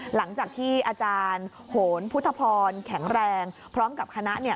หลังจากที่อาจารย์โหนพุทธพรแข็งแรงพร้อมกับคณะเนี่ย